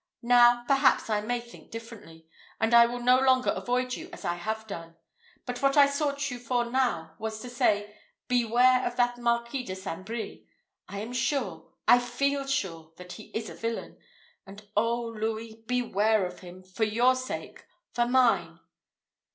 Now, perhaps, I may think differently; and I will no longer avoid you as I have done. But what I sought you for now, was to say, beware of that Marquis de St. Brie. I am sure I feel sure that he is a villain. And oh, Louis, beware of him! for your sake for mine."